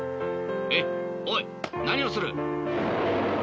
えっおいなにをする？